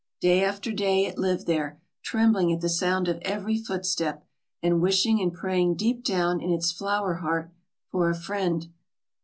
Day after day it lived there, trembling at the sound of every footstep, and wishing and praying deep down in its flower heart for a friend.